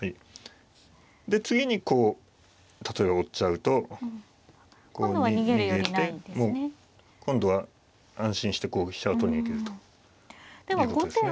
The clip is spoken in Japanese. で次にこう例えば追っちゃうとこう逃げてもう今度は安心してこう飛車を取りに行けるということですね。